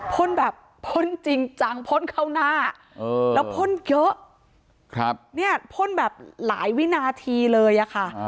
พ่นแบบพ่นจริงจังพ่นเข้าหน้าแล้วพ่นเยอะเนี่ยพ่นแบบหลายวินาทีเลยอะค่ะ